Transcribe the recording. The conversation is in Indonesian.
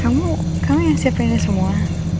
kamu kamu yang siapinnya semua